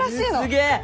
すげえ！